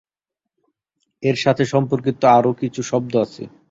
এর সাথে সম্পর্কিত আরও কিছু শব্দ আছে।